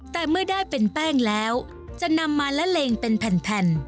แต่เมื่อได้เป็นแป้งแล้วจะนำมาละเลงเป็นแผ่น